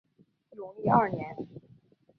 永历二年。